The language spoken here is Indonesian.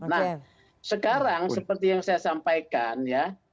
nah sekarang seperti yang saya sampaikan ya